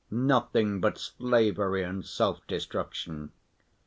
Nothing but slavery and self‐destruction!